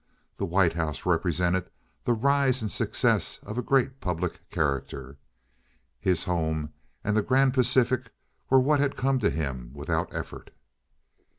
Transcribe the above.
The White House represented the rise and success of a great public character. His home and the Grand Pacific were what had come to him without effort.